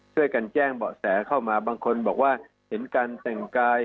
แจ้งเบาะแสเข้ามาบางคนบอกว่าเห็นการแต่งกาย